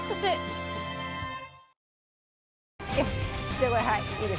じゃあこれはい。